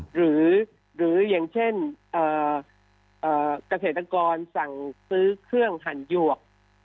หรือหรืออย่างเช่นเอ่อเอ่อเกษตรกรสั่งซื้อเครื่องหันยวก